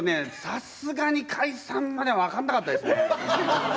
さすがに解散までは分かんなかったですね。